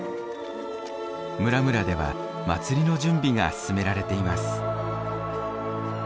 村々では祭りの準備が進められています。